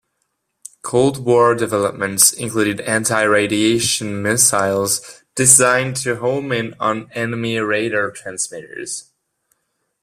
Cold War developments included anti-radiation missiles designed to home in on enemy radar transmitters.